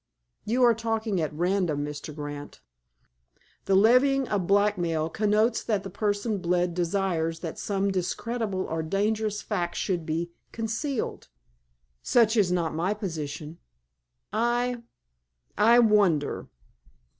"You are talking at random, Mr. Grant. The levying of blackmail connotes that the person bled desires that some discreditable, or dangerous, fact should be concealed." "Such is not my position." "I—I wonder."